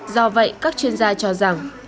do vậy các chuyên gia cho rằng